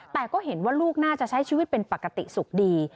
แต่ก็เห็นว่าลูกน่าจะใช้ชีวิตเป็นปกติสุขดี